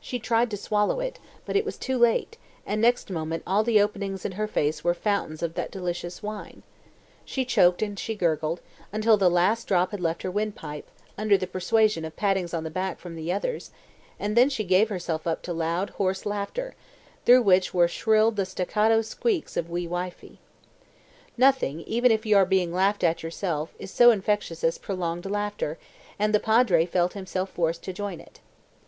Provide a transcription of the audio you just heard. She tried to swallow it, but it was too late, and next moment all the openings in her face were fountains of that delicious wine. She choked and she gurgled, until the last drop had left her windpipe under the persuasion of pattings on the back from the others and then she gave herself up to loud, hoarse laughter, through which there shrilled the staccato squeaks of wee wifie. Nothing, even if you are being laughed at yourself, is so infectious as prolonged laughter, and the Padre felt himself forced to join it.